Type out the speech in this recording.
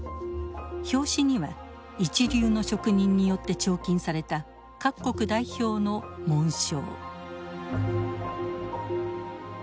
表紙には一流の職人によって彫金された各国代表の紋章。